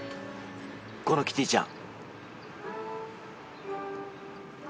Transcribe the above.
このキティちゃん。